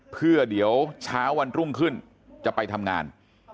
เพื่อเดี๋ยวเช้าวันรุ่งขึ้นจะไปทำงาน